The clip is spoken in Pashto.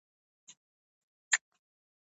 که خبره له میاشتې اوږده شي، اضطراب ګڼل کېږي.